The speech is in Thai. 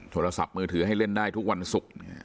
โทรศัพท์มือถือให้เล่นได้ทุกวันศุกร์